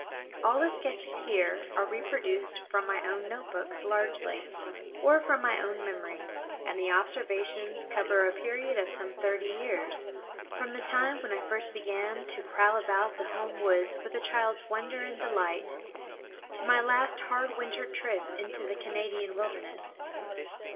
_ _All the sketches here are reproduced from my own note books largely, or from my own memory, and the observations cover a period of some thirty years, from the time when I first began to prowl about the home woods with a child's wonder and delight to my last hard winter trip into the Canadian wilderness.